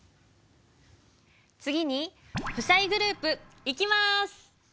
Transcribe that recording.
次に負債グループいきます。